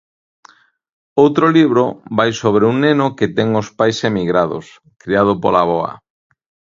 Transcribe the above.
Outro libro vai sobre un neno que ten os pais emigrados, criado pola avoa.